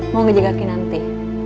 mau menjaga kinanti